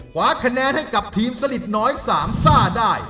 คว้าคะแนนให้กับทีมสลิดน้อยสามซ่าได้